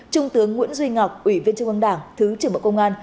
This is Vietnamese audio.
trung tướng nguyễn duy ngọc ủy viên trung ương đảng thứ trưởng bộ công an